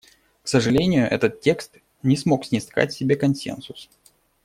К сожалению, этот текст не смог снискать себе консенсус.